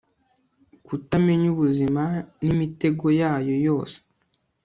kutamenya ubuzima, n'imitego yayo yose